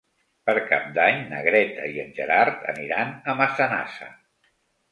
Per Cap d'Any na Greta i en Gerard aniran a Massanassa.